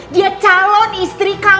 dia calon istri kamu